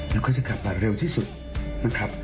แล้วก็จะกลับมาเร็วที่สุดนะครับ